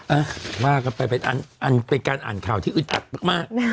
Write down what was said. เอ้าว่ากลับไปเป็นการอ่านข่าวที่อึดตัดมาก